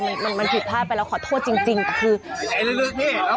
มันผิดผ้าไปแล้วขอโทษจริงแต่คือ